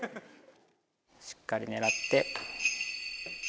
しっかり狙って。